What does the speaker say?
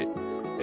え。